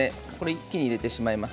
一気に入れてしまいます。